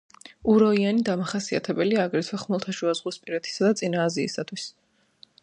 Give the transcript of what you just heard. უროიანი დამახასიათებელია აგრეთვე ხმელთაშუაზღვისპირეთისა და წინა აზიისათვის.